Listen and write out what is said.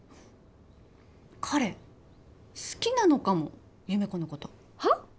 彼好きなのかも優芽子のことはっ？